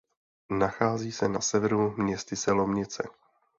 Nachází se na severu městyse Lomnice.